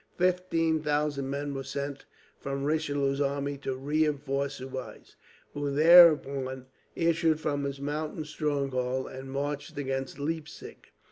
Fifteen thousand men were sent from Richelieu's army to reinforce Soubise, who thereupon issued from his mountain stronghold and marched against Leipzig.